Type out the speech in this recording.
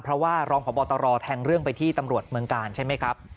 เพราะว่ารองพบตรแทงเรื่องไปที่ตำรวจเมืองกาลใช่ไหมครับ